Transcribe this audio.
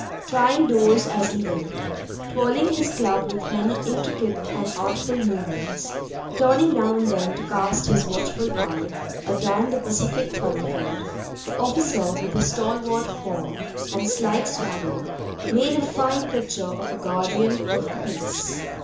Trying doors as he went, twirling his club with many intricate and artful movements, turning now and then to cast his watchful eye adown the pacific thoroughfare, the officer, with his stalwart form and slight swagger, made a fine picture of a guardian of the peace.